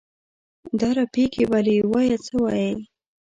دا رپېږې ولې؟ وایه څه وایې؟